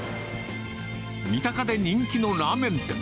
三鷹で人気のラーメン店。